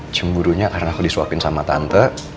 cemburunya karena aku disuapin sama tante